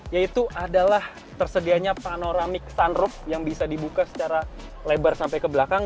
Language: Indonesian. yaitu adalah tersedianya panoramic sunroof yang bisa dibuka secara lebar sampai ke belakang